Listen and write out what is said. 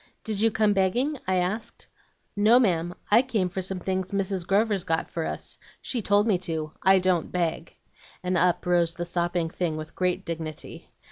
"'Did you come begging?' I asked. "'No, ma'am, I came for some things Mrs. Grover's got for us. She told me to. I don't beg.' And up rose the sopping thing with great dignity.